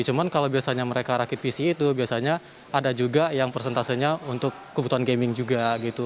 cuma kalau biasanya mereka rakit pc itu biasanya ada juga yang persentasenya untuk kebutuhan gaming juga gitu